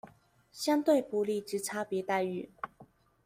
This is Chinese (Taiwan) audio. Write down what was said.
相對不利之差別待遇